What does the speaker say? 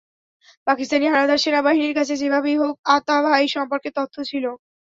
পাকিস্তানি হানাদার সেনাবাহিনীর কাছে যেভাবেই হোক আতা ভাই সম্পর্কে তথ্য ছিল।